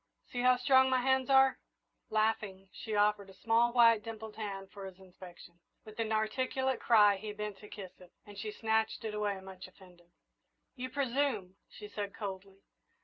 See how strong my hands are!" Laughing, she offered a small, white, dimpled hand for his inspection. With an inarticulate cry he bent to kiss it, and she snatched it away, much offended. "You presume," she said, coldly.